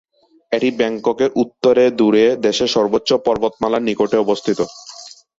এটি ব্যাংককের উত্তরে দুরে, দেশের সর্বোচ্চ পর্বতমালার নিকটে অবস্থিত।